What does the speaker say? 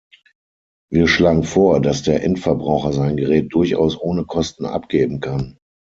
Wir schlagen vor, dass der Endverbraucher sein Gerät durchaus ohne Kosten abgeben kann.